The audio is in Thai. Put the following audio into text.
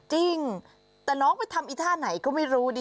จริงแต่น้องไปทำอีท่าไหนก็ไม่รู้ดิ